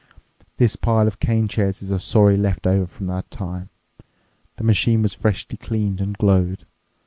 This pile of cane chairs is a sorry left over from that time. The machine was freshly cleaned and glowed.